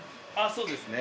そうですね。